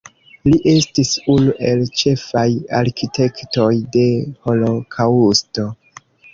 Li estis unu el ĉefaj arkitektoj de holokaŭsto.